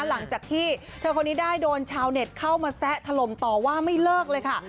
หลังจากที่เธอคนนี้ได้โดนชาวเน็ตเข้ามาแซะถล่มต่อว่าไม่เลิกเลยค่ะ